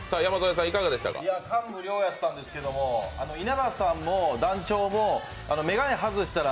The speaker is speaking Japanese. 感無量やったんですけど稲田さんも団長も眼鏡外したら